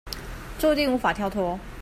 註定無法跳脫